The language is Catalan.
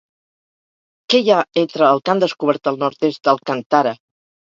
Què hi ha entre el que han descobert al nord-est d'Al-Kantarah?